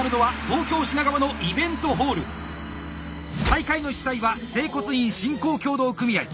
大会の主催は整骨院振興協同組合。